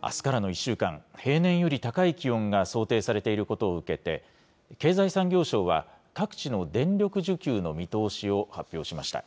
あすからの１週間、平年より高い気温が想定されていることを受けて、経済産業省は、各地の電力需給の見通しを発表しました。